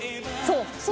そう！